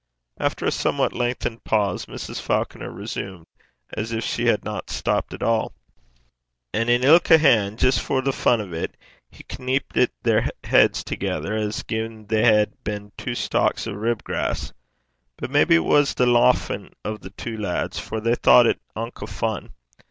After a somewhat lengthened pause, Mrs. Falconer resumed as if she had not stopped at all. 'Ane in ilka han', jist for the fun o' 't, he kneipit their heids thegither, as gin they hed been twa carldoddies (stalks of ribgrass). But maybe it was the lauchin' o' the twa lads, for they thocht it unco fun.